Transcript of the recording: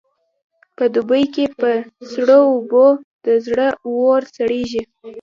په دوبې کې په سړو اوبو د زړه اور سړېږي.